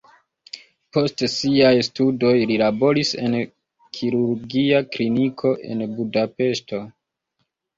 Post siaj studoj li laboris en kirurgia kliniko en Budapeŝto.